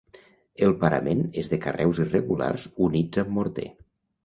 El parament és de carreus irregulars units amb morter.